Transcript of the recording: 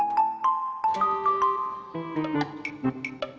di adaptive basic yaitu